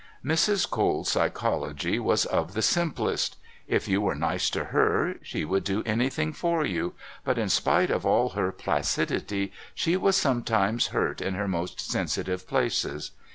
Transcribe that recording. Mrs. Cole's psychology was of the simplest: if you were nice to her she would do anything for you, but in spite of all her placidity she was sometimes hurt in her most sensitive places.